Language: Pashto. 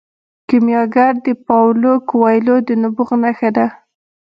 کیمیاګر د پاولو کویلیو د نبوغ نښه ده.